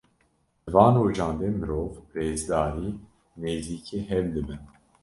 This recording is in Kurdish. Di van rojan de mirov, bi rêzdarî nêzîkî hev dibin.